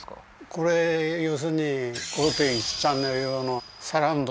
これ要するに５．１ｃｈ用のサラウンド